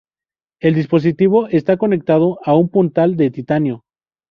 El dispositivo está conectado a un puntal de titanio.